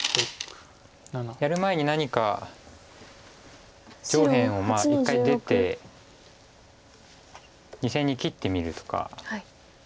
やる前に何か上辺を一回出て２線に切ってみるとか。